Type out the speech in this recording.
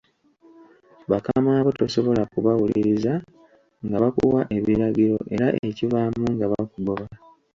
Bakamaabo tosobola kubawuliririza nga bakuwa ebiragiro era ekivaamu nga bakugoba.